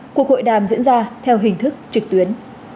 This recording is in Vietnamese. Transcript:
cuộc hội đàm diễn ra theo hình thức trực tuyến